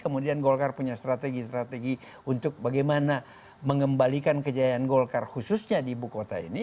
kemudian golkar punya strategi strategi untuk bagaimana mengembalikan kejayaan golkar khususnya di ibu kota ini